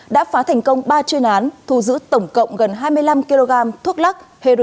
đã phá thành công ba chuyên án thu giữ tổng cộng gần hai mươi năm kg thuốc lắc